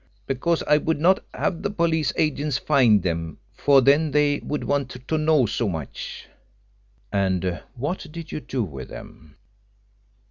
"Because I would not have the police agents find them, for then they would want to know so much." "And what did you do with them?"